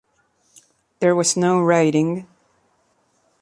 There was no riding.